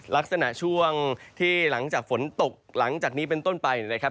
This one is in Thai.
ลักษณะช่วงที่หลังจากฝนตกหลังจากนี้เป็นต้นไปนะครับ